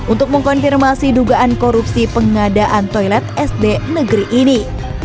untuk mengkonfirmasi dugaan korupsi pengadaan toilet sd negeri ini